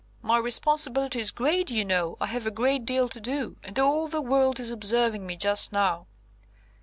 "My responsibility is great, you know. I have a great deal to do, and all the world is observing me just now."